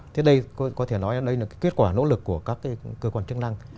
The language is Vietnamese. thế đây có thể nói đây là kết quả nỗ lực của các cơ quan chức năng